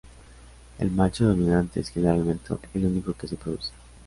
El macho dominante es generalmente el único que se reproduce.